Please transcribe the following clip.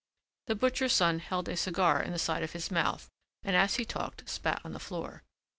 The butcher's son held a cigar in the side of his mouth and as he talked spat on the floor.